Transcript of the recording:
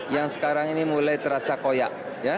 yang sekarang ini mulai terasa koyak